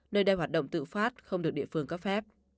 nơi đây hoạt động tự phát không được địa phương cấp phép